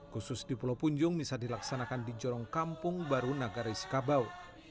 khusus di pulau punjung bisa dilaksanakan di jorong kampung baru nagaris kabau